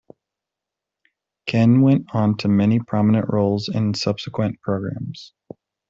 Ken went on to many prominent roles in subsequent programs.